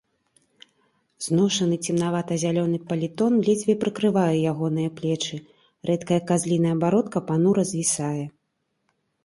Зношаны цемнавата-зялёны палітон ледзьве прыкрывае ягоныя плечы, рэдкая казліная бародка панура звісае.